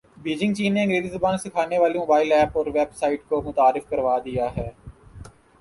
Beijing چین نے انگریزی زبان سکھانے والی موبائل ایپ اور ویب سایٹ کو متعارف کروا دیا ہے